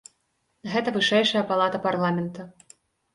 Гэта вышэйшая палата парламента.